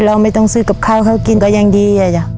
เราไม่ต้องซื้อกับข้าวเขากินก็ยังดี